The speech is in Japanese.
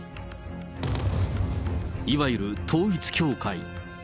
いわゆる統一教会。